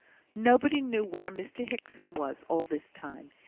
Nobody knew where Mr Hickson was all this time.